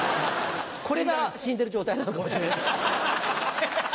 これが死んでる状態なのかもしれない。